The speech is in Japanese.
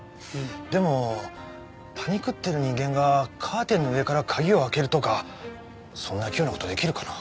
でもパニクってる人間がカーテンの上から鍵を開けるとかそんな器用な事出来るかな？